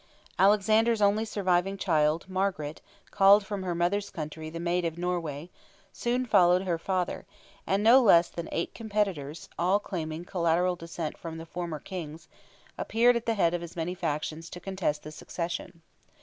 Alexander's only surviving child, Margaret, called from her mother's country, "the Maid of Norway," soon followed her father; and no less than eight competitors, all claiming collateral descent from the former Kings, appeared at the head of as many factions to contest the succession.